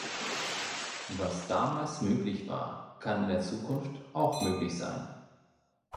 Was damals möglich war, kann in der Zukunft auch möglich sein.